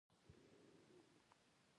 • وخت د ژوند خزانه ده.